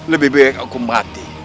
lebih baik aku mati